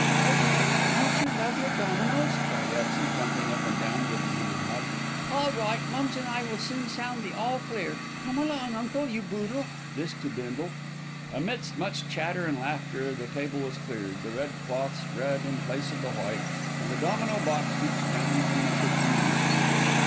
"Oh, dad! don't you love your dominoes?" cried Elsie, jumping up and giving him a hug. "All right, mums and I will soon sound the 'All clear.' Come along, uncle, you butle." This to Bindle. Amidst much chatter and laughter the table was cleared, the red cloth spread in place of the white, and the domino box reached down from the kitchen mantelpiece.